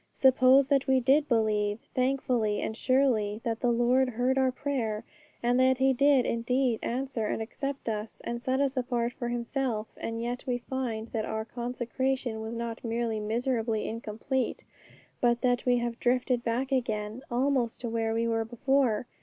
Suppose that we did believe, thankfully and surely, that the Lord heard our prayer, and that He did indeed answer and accept us, and set us apart for Himself; and yet we find that our consecration was not merely miserably incomplete, but that we have drifted back again almost to where we were before.